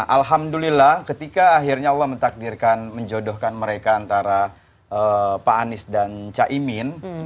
alhamdulillah ketika akhirnya allah menjodohkan mereka antara pak anies dan caimin